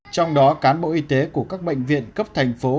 trong đó cán bộ y tế của các bệnh viện cấp thành phố